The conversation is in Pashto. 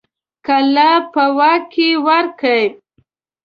قلعه په واک کې ورکړي.